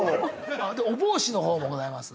お帽子の方もございます。